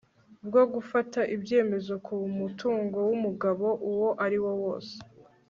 bwo gufata ibyemezo ku mutungo w'umugabo uwo ariwo wose